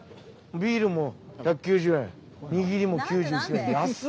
ビールも１９０円握りも９９円安っ！